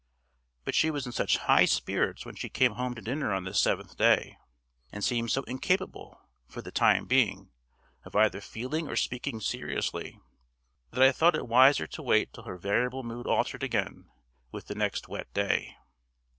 But she was in such high spirits when she came home to dinner on this Seventh Day, and seemed so incapable, for the time being, of either feeling or speaking seriously, that I thought it wiser to wait till her variable mood altered again with the next wet day.